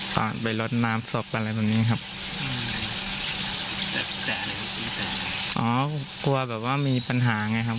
กลัวแบบว่ามีปัญหาไงครับ